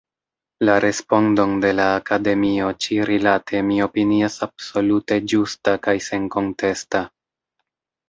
La respondon de la Akademio ĉi-rilate mi opinias absolute ĝusta kaj senkontesta.